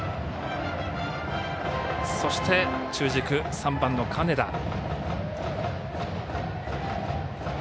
そして中軸、３番の金田。